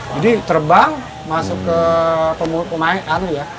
jadi terbang masuk ke pemain pengani atau yang lainnya